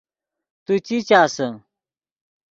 تو چی چاسے